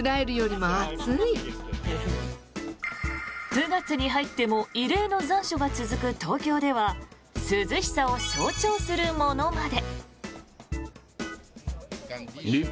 ９月に入っても異例の残暑が続く東京では涼しさを象徴するものまで。